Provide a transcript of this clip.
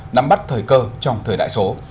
nắm bắt thời cơ trong thời đại số